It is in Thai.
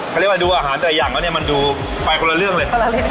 เขาเรียกว่าดูอาหารแต่ละอย่างแล้วเนี่ยมันดูไปคนละเรื่องเลย